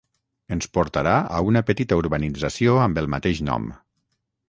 ens portarà a una petita urbanització amb el mateix nom